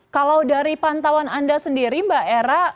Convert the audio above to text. kalau dari pantauan anda sendiri mbak era